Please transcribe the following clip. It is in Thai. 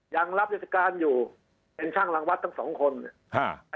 ยังรับราชิการอยู่เครนชั่งหลังวัดทั้งสองคนฮะ